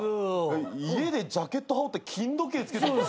家でジャケット羽織って金時計着けてるの？